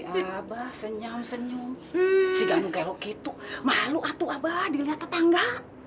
si abah senyum senyum si kamu galau gitu malu atuh abah dilihat tetangga